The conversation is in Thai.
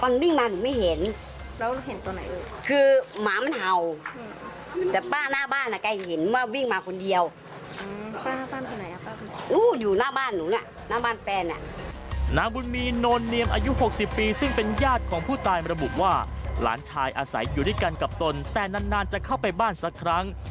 นางบุญมีโนเนียมอายุ๖๐ปีซึ่งเป็นญาติของผู้ตายมาระบุว่าหลานชายอาศัยอยู่ด้วยกันกับตนแต่นานจะเข้าไปบ้านสักครั้ง